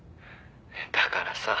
だからさ。